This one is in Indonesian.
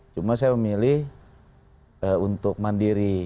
cuma saya memilih untuk mandiri